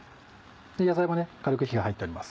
野菜もね軽く火が入っております